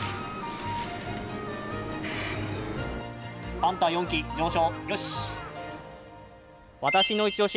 パンタ４機、上昇よし！